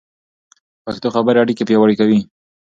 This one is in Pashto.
پښتو خبرې اړیکې پیاوړې کوي.